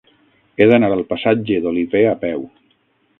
He d'anar al passatge d'Olivé a peu.